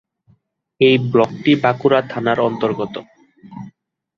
এই ব্লকটি বাঁকুড়া থানার অন্তর্গত।